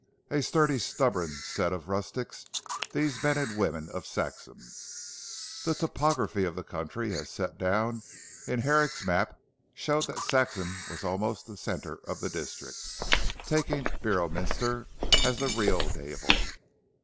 A sturdy stubborn set of rustics, these men and women of Saxham. The topography of the country as set down in Herrick's map, showed that Saxham was almost the centre of the district, taking Beorminster as the real navel.